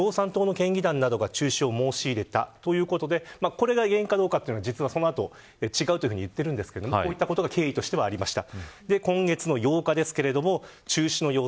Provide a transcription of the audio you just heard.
これが原因かどうかはその後違うと言っているんですがこういったことが経緯としてありました。